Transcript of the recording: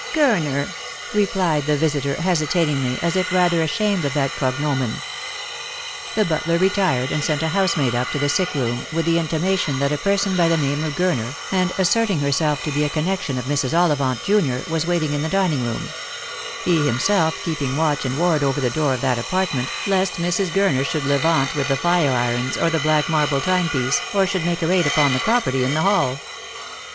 " Gurner," replied the visitor hesitatingly, as if rather ashamed of that cognomen. The butler retired, and sent a housemaid up to the sick room, with the intimation that a person by the name of Gur ner, and asserting herself to be a connection of Mrs. Ollivant junior, was waiting in the dining room : he himself keeping watch and ward over the door of that apartment, lest Mrs. Gurner should levant with the fire irons or the black marble timepiece, or should make a raid upon the property in the hall.